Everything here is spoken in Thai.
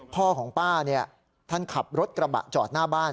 พ่อของป้าท่านขับรถกระบะจอดหน้าบ้าน